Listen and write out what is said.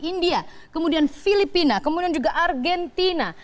india kemudian filipina kemudian juga argentina